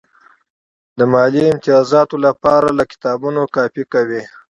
د مالي امتیازاتو لپاره له کتابونو کاپي کوي.